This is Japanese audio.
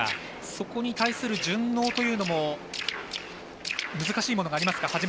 そこに対する順応というのも難しいものがありますか。